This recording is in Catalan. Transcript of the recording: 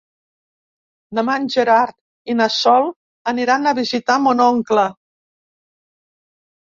Demà en Gerard i na Sol aniran a visitar mon oncle.